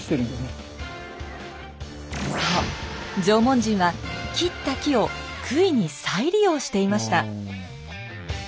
縄文人は切った木を杭に再利用していました。